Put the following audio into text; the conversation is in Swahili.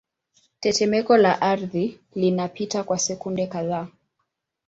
Tetemeko la ardhi linapita kwa sekunde kadhaa